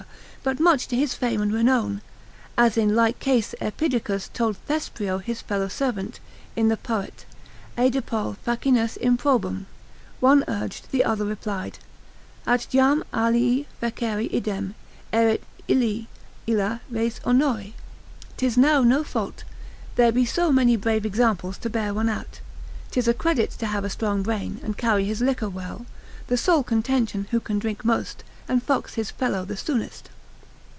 but much to his fame and renown; as in like case Epidicus told Thesprio his fellow servant, in the Poet. Aedipol facinus improbum, one urged, the other replied, At jam alii fecere idem, erit illi illa res honori, 'tis now no fault, there be so many brave examples to bear one out; 'tis a credit to have a strong brain, and carry his liquor well; the sole contention who can drink most, and fox his fellow the soonest.